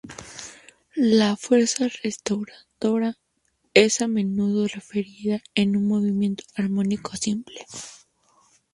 La fuerza restauradora es a menudo referida en un movimiento armónico simple.